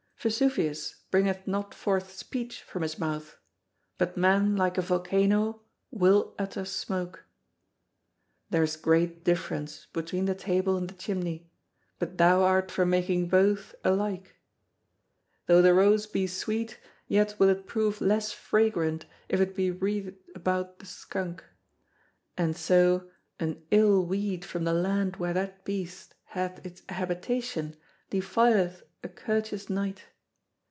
Vesuvius bringeth not forth speech from his mouth, but man, like a volcano, will utter smoke. There is great difference between the table and the chimney; but thou art for making both alike. Though the Rose be sweet, yet will it prove less fragrant if it be wreathed about the skunk; and so an ill weed from the land where that beast hath its habitation defileth a courteous knight.